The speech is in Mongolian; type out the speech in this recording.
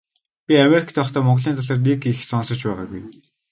Би Америкт байхдаа Монголын талаар нэг их сонсож байгаагүй.